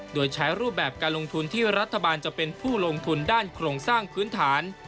โดยใช้รูปแบบการลงทุนที่รัฐบาลจะเป็นผู้ลงทุนด้านโครงสร้างพื้นฐาน